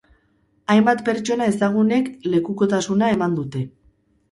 Hainbat pertsona ezagunek lekukotasuna eman dute.